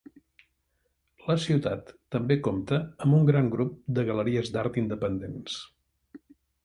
La ciutat també compta amb un gran grup de galeries d'art independents.